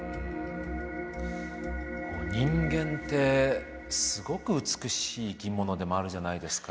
人間ってすごく美しい生き物でもあるじゃないですか。